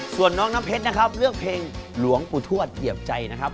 ส่วนน้องน้ำเพชรนะครับเลือกเพลงหลวงปู่ทวดเหยียบใจนะครับ